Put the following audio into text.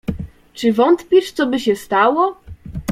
"Czy wątpisz, coby się stało?"